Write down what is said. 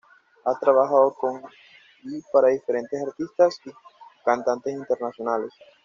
Ha trabajado con y para diferentes artistas y cantantes internacionales.